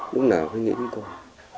lúc nào tôi nghĩ với con